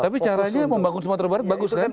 tapi caranya membangun sumatera barat bagus kan